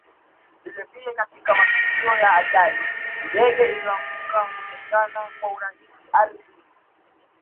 Vile vile katika matukio ya ajali ndege iliyoanguka huonekana kwa urahisi ardhini